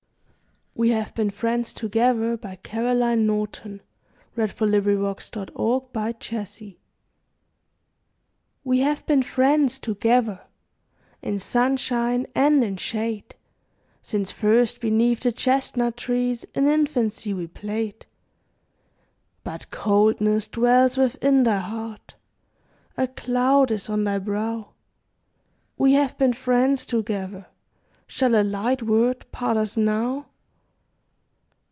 use they see me gazing where thou art. Caroline Norton We Have Been Friends Together WE have been friends together In sunshine and in shade, Since first beneath the chestnut trees, In infancy we played. But coldness dwells within thy heart, A cloud is on thy brow; We have been friends together, Shall a light word part us now?